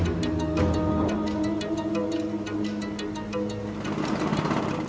hingga seekor monyet minum sisa air dari botol plastik bekas